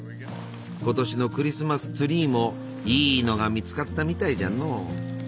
今年のクリスマスツリーもいいのが見つかったみたいじゃの。